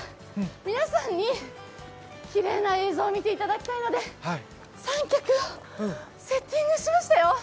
皆さんに、きれいな映像を見ていただきたいので三脚をセッティングしましたよ。